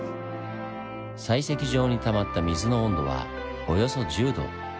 採石場にたまった水の温度はおよそ１０度。